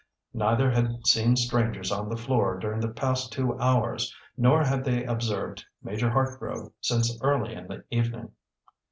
Neither had seen strangers on the floor during the past two hours, nor had they observed Major Hartgrove since early in the evening.